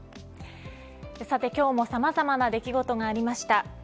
さて今日もさまざまな出来事がありました。